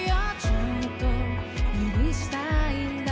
「ちゃんと許したいんだ」